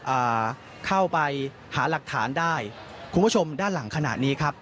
อ่าเข้าไปหาหลักฐานได้คุณผู้ชมด้านหลังขณะนี้ครับ